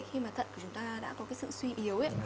khi mà thận của chúng ta đã có sự suy yếu